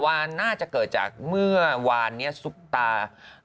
ว่าน่าจะเกิดจากเมื่อวานนี้ซุปตา